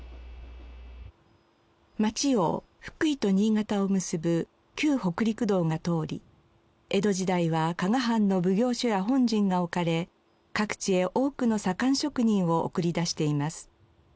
町を福井と新潟を結ぶ旧北陸道が通り江戸時代は加賀藩の奉行所や本陣が置かれ各地へ多くの左官職人を送り出しています。